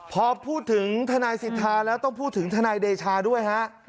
พอพูดถึงทนายสิทธาแล้วต้องพูดถึงทนายเดชาด้วยฮะ